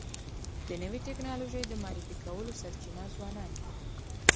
د نوې ټکنالوژی د معرفي کولو سرچینه ځوانان دي.